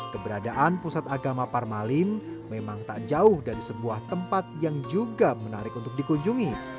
keberadaan pusat agama parmalim memang tak jauh dari sebuah tempat yang juga menarik untuk dikunjungi